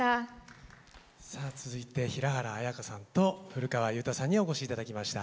さあ続いて平原綾香さんと古川雄大さんにお越し頂きました。